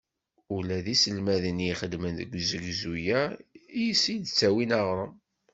Ula d iselmaden ixeddmen deg ugezdu-a yis-s i d-ttawin aɣrum.